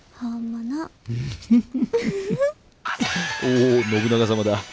お信長様だ。